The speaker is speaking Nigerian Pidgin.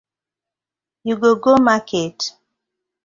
You go go market?